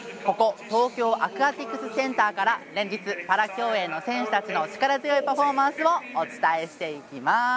東京アクアティクスセンターから連日、パラ競泳の選手たちの力強いパフォーマンスをお伝えしていきます。